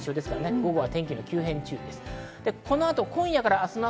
午後は天気の急変に注意です。